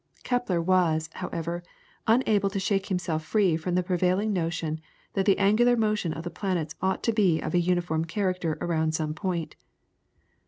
Kepler was, however, unable to shake himself free from the prevailing notion that the angular motion of the planet ought to be of a uniform character around some point.